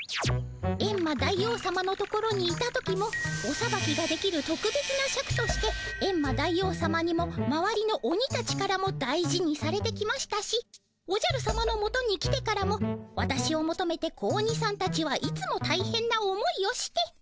「エンマ大王さまのところにいた時もおさばきができるとくべつなシャクとしてエンマ大王さまにもまわりのオニたちからも大事にされてきましたしおじゃるさまのもとに来てからもワタシをもとめて子鬼さんたちはいつもたいへんな思いをして。